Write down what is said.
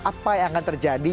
apa yang akan terjadi